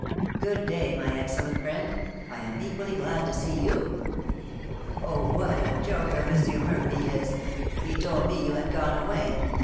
"Good day, my excellent friend. I am equally glad to see you." "Oh, what a joker M. Murphy is! He told me you had gone away.